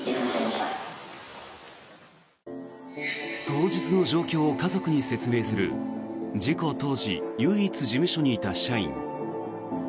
当日の状況を家族に説明する事故当時、唯一事務所にいた社員。